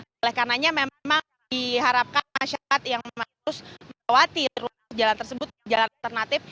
oleh karenanya memang diharapkan masyarakat yang harus melewati ruas jalan tersebut jalan alternatif